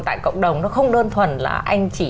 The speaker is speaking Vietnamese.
tại cộng đồng nó không đơn thuần là anh chỉ